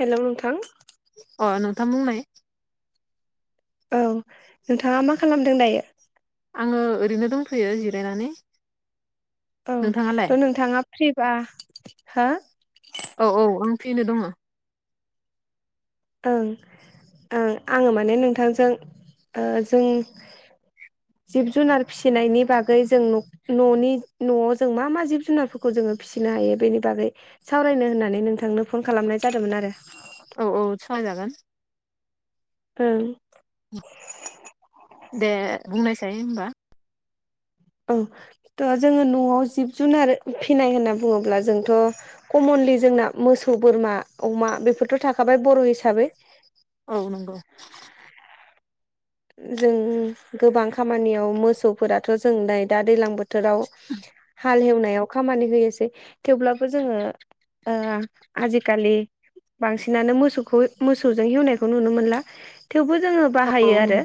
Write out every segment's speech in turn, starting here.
हेल' नोंथां अ नोंथां बुंनाय औ नोंथाङा मा खालामदों दायो। आङो ओरैनो दंथैयो जिरायनानै। औ नोंथाङालाय थ' नोंथाङा फ्रिबा हो औ औ आं फैनो दङ। ओं ओं आङो माने नोंथांजों जों जिब जुनार फिसिनायनि बागै जों न'नि न'आव जों मा मा जिब जुनारफोरखौ जोङो फिसिनो हायो बेनि बागै सावरायनो होननानै नोंथांनो फन खालामनाय जादोंमोन आरो। औ औ सहायजागोन ओं दे बुंनायसै होनबा औ थ' जोङो न'आव जिब जुनार फिसिनाय होनना बुङोब्ला जोंथ' कमनलि जोंना मोसौ बोरमा अमा बेफोरथ' थाखाबाय बर' हिसाबै औ नंगौ। जों गोबां खामानियाव मोसौफोराथ' जोंलनाय दा दैलां बोथोराव बोथोराव हाल एवनायाव खामानि होयोसै थेवब्लाबो जोङो ओ आजिखालि बांसिनानो मोसौखौ मोसौजों हेवनायखौ नुनो मोनला थेवबो जोङो औ बाहायो आरो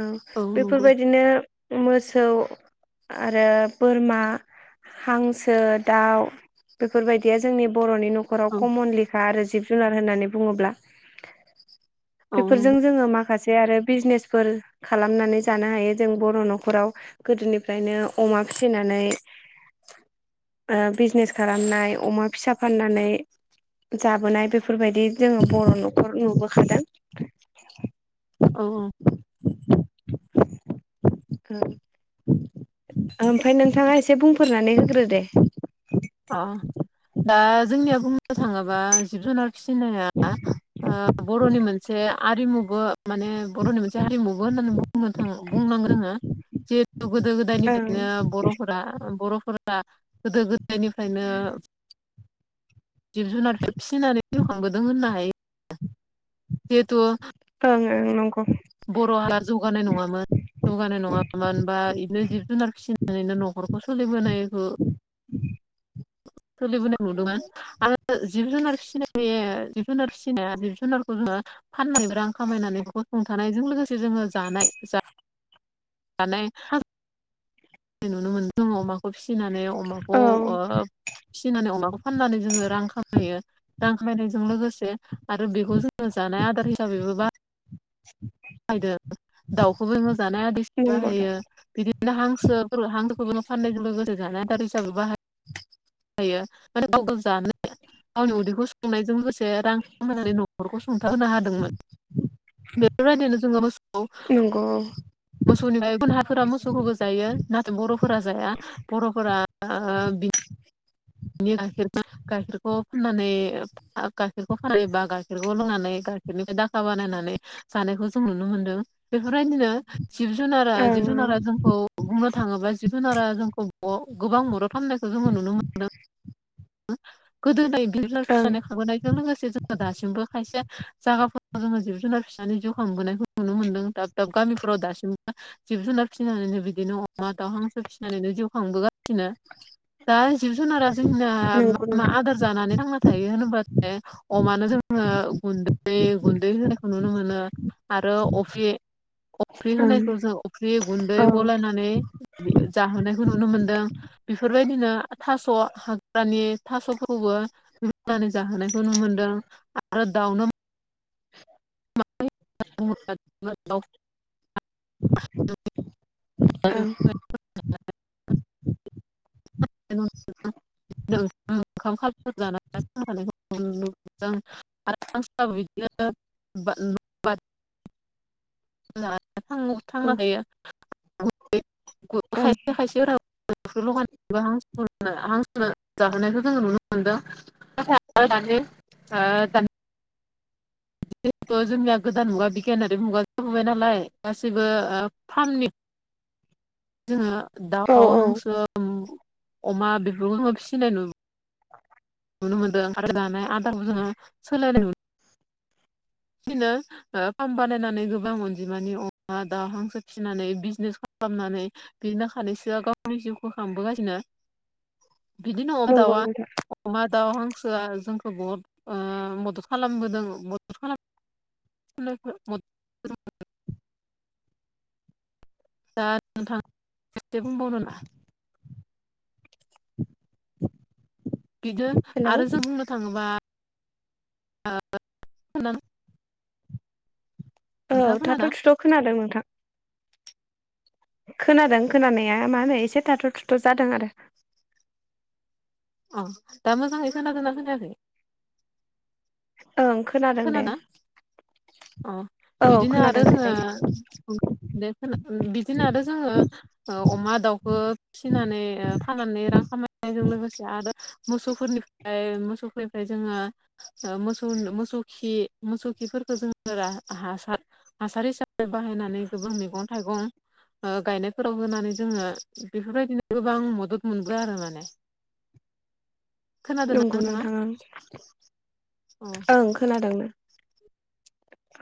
औ बेफोरबायदि बिदिनो मोसौ आरो बोरमा हांसो दाउ बेफोरबायदिया जोंनि बर'नि न'खराव औ कमनलिखा आरो जिब जुनार होननानै बुङोब्ला औ बेफोरजों नंगौ जोङो मा जे आरो बिजनेसफोर खालामनानै जानो हायो जों बर' न'खराव गोदोनिफ्रायनो अमा फिसिनानै बिजनेस खालामनाय अमा फिसा फाननानै जाबोनाय बेफोरबायदि जोङो बर' न'खर नुबोखादों औ औ औ ओमफ्राय नोंथाङा एसे बुंफोरनानै होग्रो दे अ दा जोंनिया बुंनो थाङोबा जिब जुनार फिसिनाया ओ बर'नि मोनसे आरिमुबो माने बर'नि मोनसे हारिमुबो होननानै बुंनो थाङो बुंनां जोङो जिहेतु गोदो ओं गोदायनिफ्रायनो बर'फोरा बर'फोरा गोदो गोद [unintelligible] निफ्रायनो जिब जुनारखौ फिसिनानै जिवखांबोदों होननो हायो जिहेथु [unintelligible] ओ नंगौ बर' हा जौगानाय नङामोन जौगानाय नङामोन बा बिनो जिब जुनार फिसिनानैनो न'खरखौ सोलिबोनायखौ [inaudible] सलिबो नुदोंमोन आरो जिब जुनार फिसिनाय बे जिब जुनार फिसिनाया जिब जुनारखौ जोङो फानना [unintelligible] रां खामायनानै बेखौ सुंथानायजों लोगोसे जोङो जानाय जा जानाय नुनो मोनो जों अमाखौ फिसिनानै औ अमाखौ ओ फिसिनानै अमाखौ फाननानै जोङो रां खामायो रां खामायनायजों लोगोसे आरो बेखौ जोङो जानाय आदार हिसाबैबो बा [unintelligible] दाउखौबो [unintelligible] जानाय आदेस नंगौ दा बाहायो बिदि [unintelligible] हांसो [unintelligible] फाननायजों लोगोसे जानाय आदार हिसाबै बाहाय हायो [unintelligible] जानो गावनि उदैखौ सुफुंनायजों लोगोसे रां खामनानै न'खरखौ सुंथाहोनो हादोंमोन बेफोरबायदिनो जोङो मोसौखौ नंगौ औ मोसौनि [unintelligible] गुबुन हारिफोरा मोसौखौबो जायो नाथाय बर'फोरा जाया बर'फोरा ओ बि [unintelligible] गाइखेरख गाइखेरखौ फुननानै [unintelligible] गाइखेरखौ [unintelligible] बा गाइखेरखौ लोंनानै गाइखेरनिफ्राय दाखा बानायनानै जानायखौ जों नुनो मोनदों बेफोरबायदिनो जिब जुनारा जिब ओं जुनारा जोंखौ बुंनो थाङोब्ला जिब जुनारा जोंखौ [unintelligible] गोबां मदद खालामनायखौ जोङो नुनो मो गोदोनो [unintelligible] ओं फिसिनानै [unintelligible] जों लोगोसे जोङो दासिमबो खायसे जागाफोराव जोङो जिब जुनार फिसानि जिउ खांबोनायखौ नुनो मोन्दों दाब दाब गामिफोराव दासिमबो जिब जुनार फिनानैनो बिदिनो अमा दाउ हांसो फिनानैनो जिउ खांबोगा नो दा जिब जुनारा जोंना मा नंगौ मा नोंथां आ दार जानानै थांना थायो होनबाथाय अमानो जोङो गुन्दै गुन्दै होनायखौ नुनो मोनो आरो अफ्रि अफ्रि ओं होनायखौ जों अफ्रि गुन्दै औ गलायनानै जाहोनायखौ नुनो मोनदों बेफोरबायदिनो थास' हाग्रानि थास'फोरखौबो रुनानै जाहोनायखौ नु मोनदों आरो दावनोम [unintelligible] ओं [unintelligible] [unintelligible] औ ओं [unintelligible] [unintelligible] हांसोनो जाहोनायखौ जोङो नुनो मोनदों [unintelligible] ओ दानि जिहेथु जोंनिया गोदान मुगा बिगियानारि मुगा जाबोबाय नालाय गासिबो ओ फार्मनि जोङो औ दाउ औ हांसो उ अमा बेफोरखौ फिसिनाय नु [inaudible] नुनो मोनदों आरो जानाय आदाखौ जोङो सोलायनाय नु [unintelligible] नो ओ फार्म बानायनानै गोबां अनजिमानि अमा दाउ हांसो फिसिनानै बिजनेस खालामनानै बिनो खानैसोया गावनि जिउखौ खांबोगासिनो बिदि न नंगौ दाउआ नोंथां अमा दाउ हांसोआ जोंखौ बहुद ओ मदद खालामबोदों मदद खालाम [unintelligible] दा नोंथां एसे बुंबावनो ना बिदो हेलौ आरो जों बुंनो थाङोबा औ नोंथाङा थाथ' खोनादों थुथ' खोनादों नोंथां। खोनादों खोनानाया मा होनो एसे थाथ' थुथ' जादों आरो। अ दा मोजाङै खोनादों ना खोनायाखै? ओं खोनादों ना अ औ बिदिनो खोनादों आरो दे दायो जोङो दे खोना ओ ओम बिदिनो आरो जोङो ओ अमा दाउखो फिसिनानै ओ फाननानै रां खामायनायजों लोगोसे आरो मोसौफोरनिफ्राय मोसौफोरनि फ्राय जोङो ओ मोसौ मोसौ खि मोसौ खिफोरखौ जों हासार हासार हिसाबै बाहायनानै गोबां मैगं थायगं ओ गायनायफोराव होनानै जोङो बेफोरबायदिनो गोबां मदद मोनदो आरो माने। खोनादोंना नंगौ नोंथाङा नोंथां औ ओं खोनादों ना।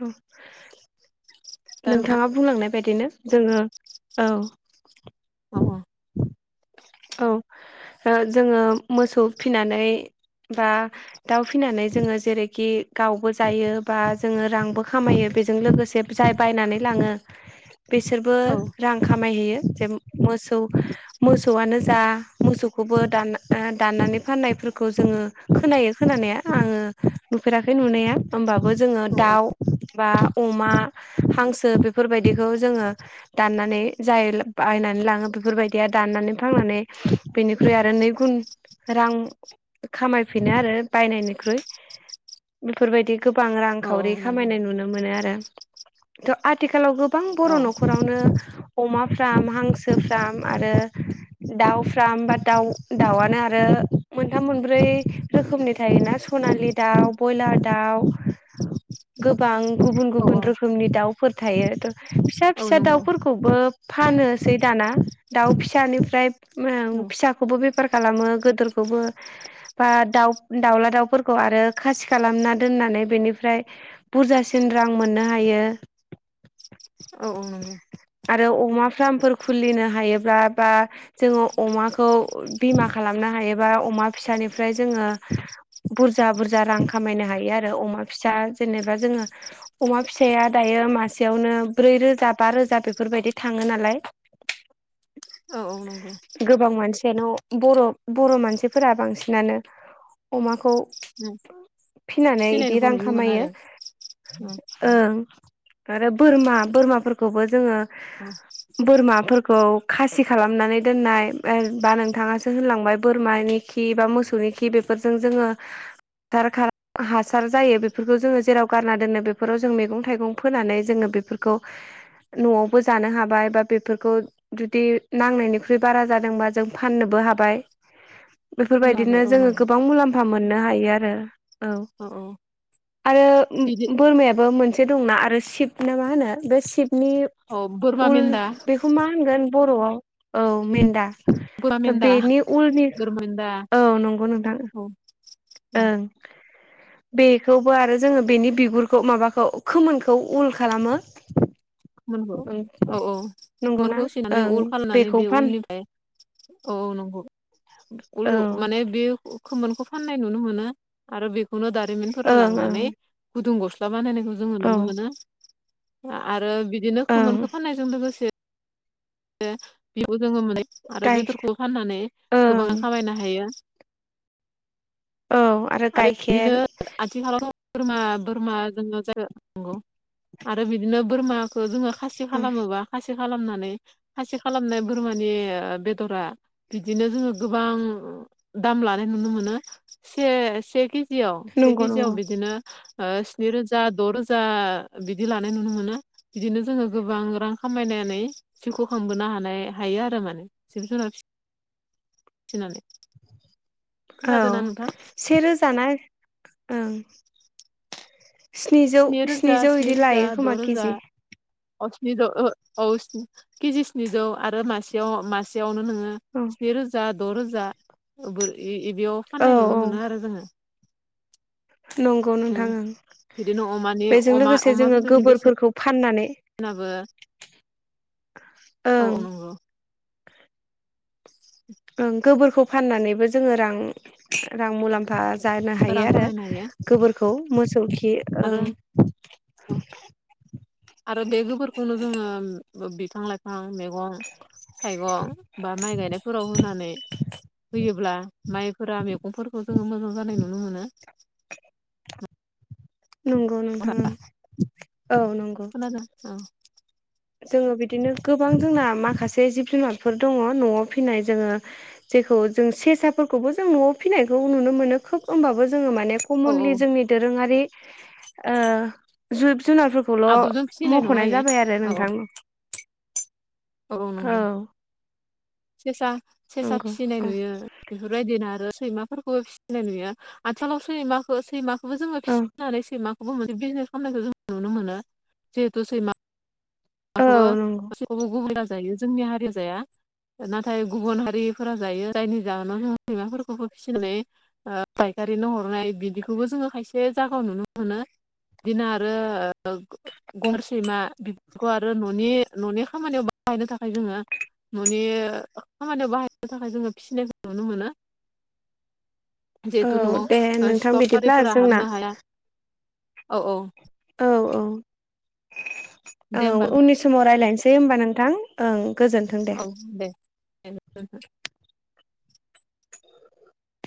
औ दा नोंथां नोंथाङा बुंलांनाय बायदिनो जोङो औ औ औ। औ जोङो मोसौ फिनानै बा दाउ फिसिनानै जोङो जेरैखि गावबो जायो बा जोङो रांबो खामायो बेजों लोगोसे जाय बायनानै लाङो बिसोरबो औ रां खामायहैयो जे मोसौ मोसौआनो जा मोसौखौबो दान दाननानै फाननायफोरखौ जोङो खोनायो खोनानाया आङो नुफेराखै नुनाया। होमबाबो जोङो औ दाउ बा अमा हांसो बेफोर बायदिखौ जोङो दाननानै जाय बायनानै लाङो बेफोर बायदिया दाननानै फाननानै बेनिख्रुइ आरो नै गुन रां खामायफिनो आरो बायनायनिख्रुइ बेफोर बायदि गोबां औ रांखावरि औ नंगौ खामायनाय नुनो मोनो आरो थ' आथिखालाव गो बां बर' औ न'खरावनो अमा फ्राम हांसो फ्राम आरो दाउ फ्राम बा दाउ दाउआनो आरो आरो मोनथाम मोनब्रै रोखोमनि थायोना सनालि दाउ बयलार दाउ गोबां गुबुन औ गुबुन रोखोमनि दाउफोर थायो फिसा औ फिसा नंगौ दाउफोरखौ खौबो फानोसै दाना दाउ फिसानिफ्राय फिसाखौबो बे फोर खालामो गोदोरखौबो बा दाउ दाउला दाउफोरखौ आरो खासि खालामना दोननानै बेनिफ्राय बुरजासिन रां मोननो हायो। औ औ नंगौ। आरो अमा फार्मफोर खुलिनो हायोब्ला बा जोङो अमाखौ बिमा खालामनो हायोबा अमा फिसानिफ्राय जोङो बुरजा बुरजा रां खामायनो हायो आरो अमा फिसा जेनेबा जोङो अमा फिसाया दायो मासेयावनो ब्रै रोजा बा रोजा बेफोरबायदि थाङो नालाय। [inaudible] औ औ नंगौ। गोबां मानसियानो बर' बर' मानसिफोरा बांसिनानो अमाखौ फिनानै इदि फिसिनायखौ रां नुनो मोनो खामायो आरो औ ओं। आरो बोरमा बोरमाफोरखौबो जोङो औ बोरमाफोर खौ खासि खालामनानै दोननाय बा नोंथाङासो होनलांबाय बोरमानि खि बा मोसौनि खि बेफोरजों जोङो हासार हासार जायो बेफोरखौ जोङो जेराव गारना दोननो बेफोराव जों मैगं थाइगं फोनानै जोङो बेफोर खौ न'आवबो जानो हाबाय बा बेफोरखौ जुदि नांनायनिख्रुइ बारा जादोंबा जों फाननोबो हाबाय फाननो बेफोरबायदिनो हाबाय औ जोङो नंगौ गोबां मुलाम्फा मोननो हायो आरो। औ आरो बिदि बोरमायाबो मोनसे दंना आरो शिब ना मा होनो बे शबनि औ बोरमा उल मेन्दा बे खौ मा होनगोन बर'आव औ मेन्दा बोरमा दा मेनदा बेनि औ नंगौ नोंथां औ औ ओं बेखौबो आरो जोङो बेनि बिगुरखौ माबाखौ खोमोनखौ उल खालामो [unintelligible] औ औ नंगौना खोमोनखौ सिननानै ओं उल खालामनानै बेखौ बे फान उलनिफ्राय औ औ नंगौ ओं [unintelligible] माने बे खोमोनखौ फाननाय नुनो मोनो आरो बेखौनो दारिमिनफोराव ओं ओं लांनानै गुदुं ग स्ला बानायनायखौ जोङो औ नुनो मोनो आरो बिदिनो ओं खोमोनखो फाननायजों लोगोसे [unintelligible] आरो गाय बेदरखौ फाननानै ओं गोबां खामायनो हायो। औ आरो आरो गाइखेर बिदिनो आथिखालावथ' बोरमा बोरमाजोंनो नांगौ आरो बिदिनो बोरमाखौ जोङो खासि खालामोबा खासि खालामनानै खासि खालामनाय बोरमानि बेदरा बिदिनो जोङो गोबां दाम लानाय नुनो मोनो से से केजियाव से नंगौ केजियाव नंगौ बिदिनो स्नि रोजा द' रोजा बिदि लानाय नुनो मोनो। बिदिनो जोङो गोबां रां खामायनानै जिउखौ खांबोनो हानाय हायो आरो माने जिब जुनार फिनानै औ से रोजा ना ओं स्निजौ स्नि रोजा स्निजौ स्नि बिदि रोजा लायो द' खोमा रोजा केजि [unintelligible] केजि स्निजौ आरो मासेयाव मासेयावनो नोङो औ स्नि रोजा द' रोजा बे-बेयाव औ फाननाय नुनो औ मोनो आरो जोङो। नंगौ नोंथां उम ओं बिदिनो अमानि बेजों अमा लोगोसे अमा जोङो बेदरनि गोबोरफोरखौ फाननानै बेसेनाबो औ औ ओं नंगौ गोबोरखौ फाननानैबो जोङो रां रां मुलाम्फा जानो हायो रां आरो खामायनो हायो गोबोरखौ मोसौखि आरो आरो बे गोबोरखौनो जोङो बिफां लाइफां मेगं थाइगं बा माइ गायनायफोराव होनानै होयोब्ला माइफोरा मैगंफोरखौ जोङो मोजां जानाय नुनो मोनो। नंगौ नोंथां ओं औ नंगौ ओं जोङो बिदिनो गोबां जोंना माखासे जिब जुनारफोर दङ न'आव फिनाय जोङो जेखौ जों सेसाफोरखौबो जों न'आव फिसिनायखौ नुनो मोनो खोब होमबाबो जोङो माने औ कमनलि औ जोंनि दोरोङारि जिब जुनारफोरखौल' आदबजों फिसिनाय नङा मख'नाय इयो जाबाय आरो औ नोंथां औ नंगौ सेसा सेसा नंगौ फिसिनाय औ नुयो बेफोरबायदिनो आरो सैमाफोरखौबो फिसिनाय नुयो आथिखालाव सैमाखौ सैमा जोङो औ फिसिनानै सैमाखौबो मोनसे बिजनेस खालामनायखौ जों नुनो मोनो जेहुतु सैमा खौबो औ नंगौ गासैखौबो गुबुना जायो जोंनि हारि जाया नाथाय गुबुन हारिफोरा जायो जायनि जाहोनाव जों सैमाफोरखौबो फिसिनानै ओ फायखारिनो हरनाय बिदिखौबो जोंङो खायसे जागायाव नुनो मोनो। बिदिनो आरो ओ गर सैमा बेखौ आरो न'नि न'नि खामानियाव बाहायनो थाखाय जोंङो ननि खामानियाव बाहायनो थाखाय जोंङो फिसिनायखौ नुनो मोनो। [inaudible] औ जिहेतु दे न'आव ओ नोंथां बिदिब्ला सिखावारिफोरा जोंना हाबनो हाया। औ औ औ औ औ दे होमबा उननि समाव रायलायनोसै होमबा नोंथां ओं गोजोन औ दे